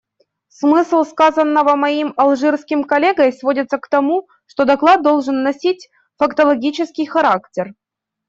Смысл сказанного моим алжирским коллегой сводится к тому, что доклад должен носить фактологический характер.